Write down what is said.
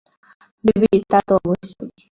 Baby, তা তো অবশ্যই।